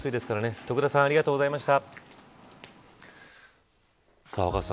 徳田さんありがとうございました。